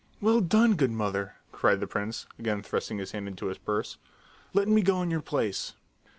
"Well done, good mother!" cried the prince, again thrusting his hand into his purse. "Let me go in your place!"